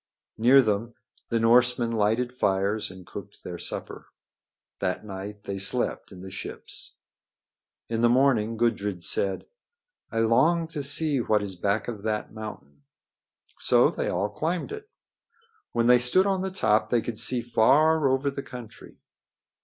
Near them the Norsemen lighted fires and cooked their supper. That night they slept in the ships. In the morning Gudrid said: "I long to see what is back of that mountain." So they all climbed it. When they stood on the top they could see far over the country.